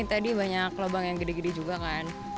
tadi banyak lubang yang gede gede juga kan